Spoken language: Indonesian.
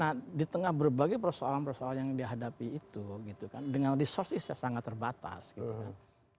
nah di tengah berbagai persoalan persoalan yang dihadapi itu gitu kan dengan resources yang sangat terbatas gitu kan